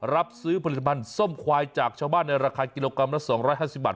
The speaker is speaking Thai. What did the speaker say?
รับซื้อผลิตภัณฑ์ส้มควายจากชาวบ้านในราคากิโลกรัมละ๒๕๐บาท